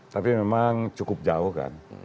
tapi memang cukup jauh kan